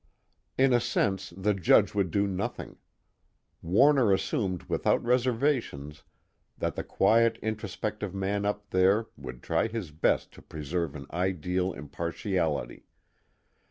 _ In a sense, the Judge would do nothing. Warner assumed without reservations that the quiet introspective man up there would try his best to preserve an ideal impartiality.